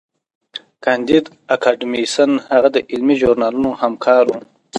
کانديد اکاډميسن هغه د علمي ژورنالونو همکار و.